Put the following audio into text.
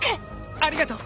ありがとう。